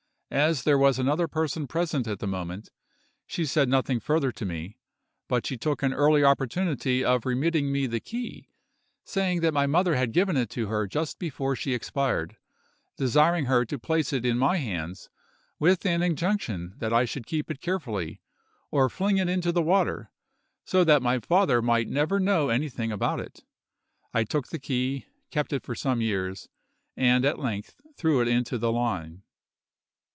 As there was another person present at the moment, she said nothing further to me, but she took an early opportunity of remitting me the key, saying that my mother had given it to her just before she expired, desiring her to place it in my hands, with an injunction that I should keep it carefully, or fling it into the water, so that my father might never know anything about it. I took the key, kept it for some years, and at length threw it into the Lahne."